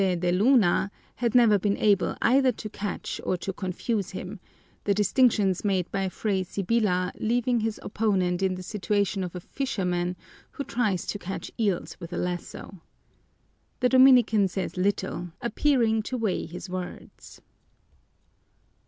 de Luna had never been able either to catch or to confuse him, the distinctions made by Fray Sibyla leaving his opponent in the situation of a fisherman who tries to catch eels with a lasso. The Dominican says little, appearing to weigh his words.